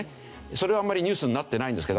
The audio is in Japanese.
それはあんまりニュースになってないんですけど。